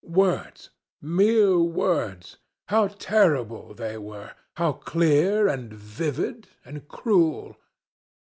Words! Mere words! How terrible they were! How clear, and vivid, and cruel!